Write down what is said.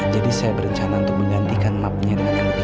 jadi saya berencana untuk menggantikan map nya dengan yang lebih baru